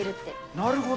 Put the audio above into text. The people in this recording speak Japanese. なるほど。